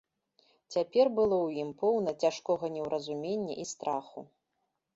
Цяпер было ў ім поўна цяжкога неўразумення і страху.